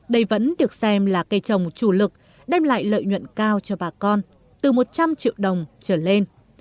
đây vẫn được xem là cây trồng chủ lực đem lại lợi nhuận cao cho bà con từ một trăm linh triệu đồng trở lên